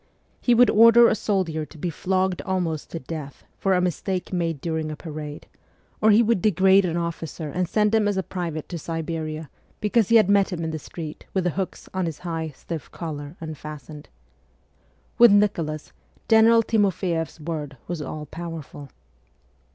He would order a soldier to be flogged almost to death for a mistake made during a parade, or he would degrade an officer and send him as a private to Siberia because he had met him in the street with the hooks on his high, stiff collar unfastened. With Nicholas General Timof Jeff's word was all powerful.